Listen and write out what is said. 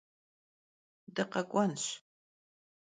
Dıkhek'uenş.